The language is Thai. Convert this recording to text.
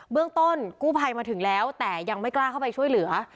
เรื่องต้นกู้ภัยมาถึงแล้วแต่ยังไม่กล้าเข้าไปช่วยเหลือ